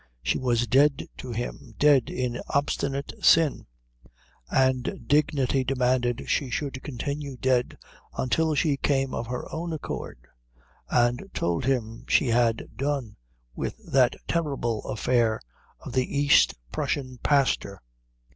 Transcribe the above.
She was dead to him, dead in obstinate sin; and dignity demanded she should continue dead until she came of her own accord and told him she had done with that terrible affair of the East Prussian pastor.